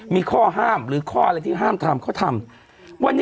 มีข้อห้ามหรือข้ออะไรที่ห้ามทำเขาทำ